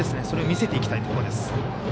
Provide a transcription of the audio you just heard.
それを見せていきたいところです。